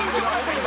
今。